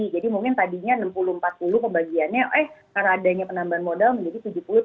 jadi mungkin tadinya enam puluh empat puluh kebagiannya eh karena adanya penambahan modal menjadi tujuh puluh tiga puluh